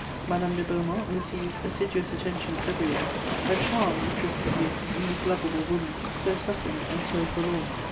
Madame de Beaumont received assiduous attentions everywhere: a charm interested you in this lovable woman, so suffering and so forlorn.